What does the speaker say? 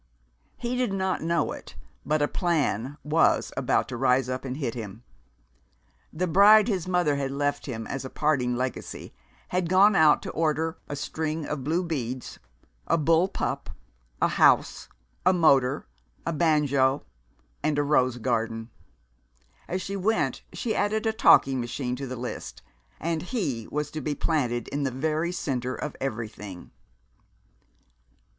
He did not know it, but a Plan was about to rise up and hit him. The bride his mother had left him as a parting legacy had gone out to order a string of blue beads, a bull pup, a house, a motor, a banjo, and a rose garden; as she went she added a talking machine to the list; and he was to be planted in the very centre of everything.